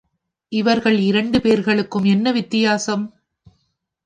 இவர்கள் இரண்டு பேர்களுக்கும் என்ன வித்தியாசம்?